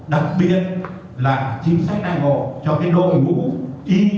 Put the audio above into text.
đặc biệt là chính sách đại ngộ cho cái đội ngũ y tế cơ sở